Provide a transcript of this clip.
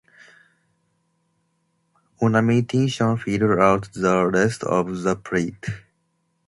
Ornamentation filled out the rest of the plate.